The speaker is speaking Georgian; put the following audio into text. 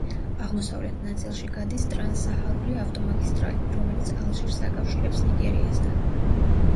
აღმოსავლეთ ნაწილში გადის ტრანსსაჰარული ავტომაგისტრალი, რომელიც ალჟირს აკავშირებს ნიგერიასთან.